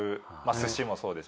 すしもそうです。